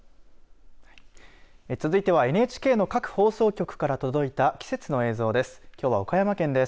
続いてはＮＨＫの各放送局から届いた季節の映像です。